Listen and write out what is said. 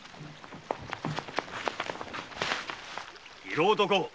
色男！